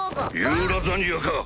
ユーラザニアか？